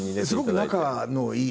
すごく仲のいい同級生？